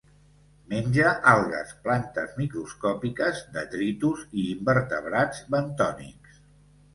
Menja algues, plantes microscòpiques, detritus i invertebrats bentònics.